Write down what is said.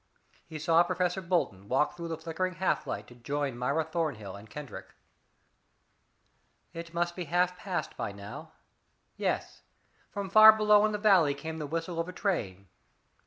He saw Professor Bolton walk through the flickering half light to join Myra Thornhill and Kendrick. It must be half past by now. Yes from far below in the valley came the whistle of a train.